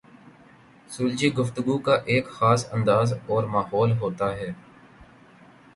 سلجھی گفتگو کا ایک خاص انداز اور ماحول ہوتا ہے۔